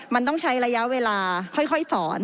มันต้องใช้ระยะเวลาค่อยสอน